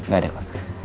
gak ada kok